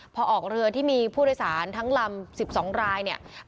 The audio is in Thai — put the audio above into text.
พอออกเรือที่มีผู้โดยสารทั้งลำ๑๒รายเนี่ย